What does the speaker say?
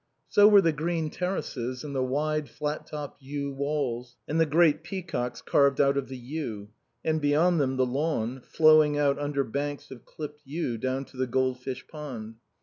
So were the green terraces and the wide, flat topped yew walls, and the great peacocks carved out of the yew; and beyond them the lawn, flowing out under banks of clipped yew down to the goldfish pond.